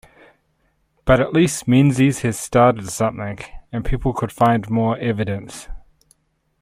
But at least Menzies has started something, and people could find more evidence.